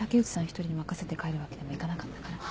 一人に任せて帰るわけにはいかなかったから。